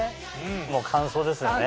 もう乾燥ですよね。